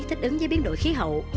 thích ứng với biến đổi khí hậu